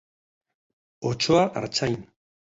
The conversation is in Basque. Otsoa artzain.